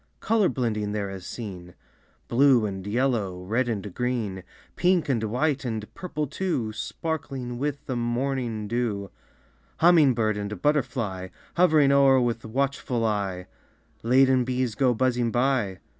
Color blending there is seen, Blue and yellow, red and green, Pink and white and purple too, Sparkling with the morning dew Humming bird and butterfly Hovering o'er with watchful eye. Laden bees go buzzing by.